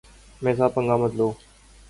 میرے ساتھ پنگا مت لو۔